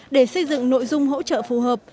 để xây dựng nội dung hỗ trợ phù hợp